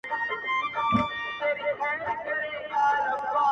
بس پر نورو یې کوله تهمتونه -